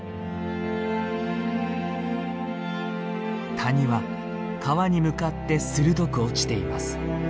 谷は川に向かって鋭く落ちています。